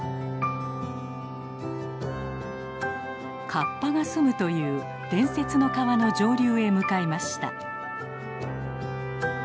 カッパが住むという伝説の川の上流へ向かいました。